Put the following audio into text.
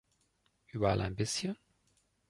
Überall ein bisschen?